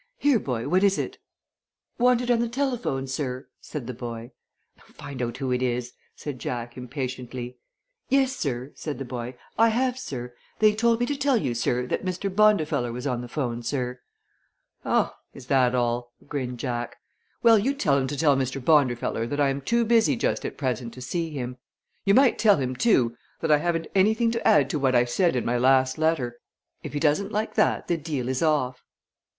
Here, boy, what is it?" "Wanted on the telephone, sir," said the boy. "Find out who it is," said Jack, impatiently. "Yes, sir," said the boy. "I have, sir. They told me to tell you, sir, that Mr. Bondifeller was on the 'phone, sir." [Illustration: "TELL 'EM TO TELL MR. BONDIFELLER THAT I AM TOO BUSY TO SEE HIM"] "Oh, is that all?" grinned Jack. "Well, you tell 'em to tell Mr. Bondifeller that I am too busy just at present to see him. You might tell him, too, that I haven't anything to add to what I said in my last letter. If he doesn't like that, the deal is off."